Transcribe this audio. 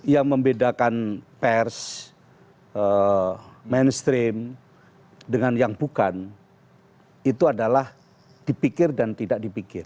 yang membedakan pers mainstream dengan yang bukan itu adalah dipikir dan tidak dipikir